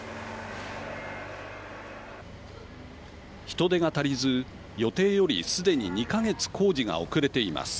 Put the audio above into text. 人手が足りず予定よりすでに２か月工事が遅れています。